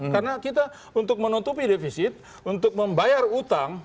karena kita untuk menutupi defisit untuk membayar utang